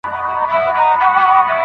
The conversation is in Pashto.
آیا غاز تر مایع سپک دی؟